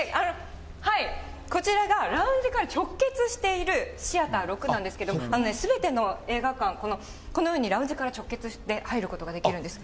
こちらが、ラウンジから直結しているシアター６なんですけど、すべての映画館、このようにラウンジから直結して入ることができるんです。